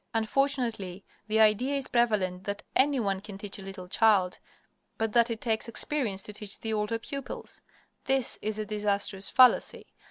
Unfortunately, the idea is prevalent that any one can teach a little child, but that it takes experience to teach the older pupils. This is a disastrous fallacy.